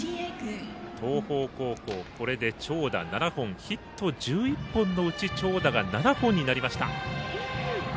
東邦高校、これで長打７本ヒット１１本のうち長打が７本になりました。